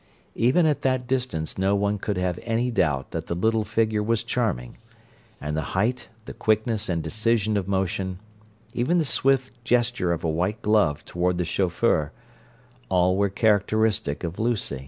Even at that distance no one could have any doubt that the little figure was charming; and the height, the quickness and decision of motion, even the swift gesture of a white glove toward the chauffeur—all were characteristic of Lucy.